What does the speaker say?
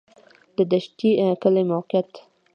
د دشټي کلی موقعیت